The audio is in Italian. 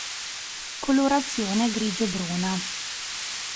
Colorazione grigio-bruna.